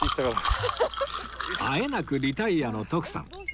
あえなくリタイアの徳さん